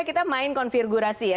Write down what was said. kita main konfigurasi ya